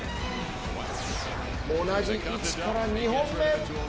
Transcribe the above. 同じ位置から２本目。